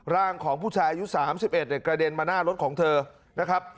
ร่างของผู้ชายอายุ๓๑กระเด็นมาหน้ารถของเธอนะครับ